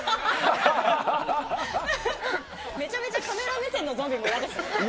めちゃめちゃカメラ目線のゾンビですね。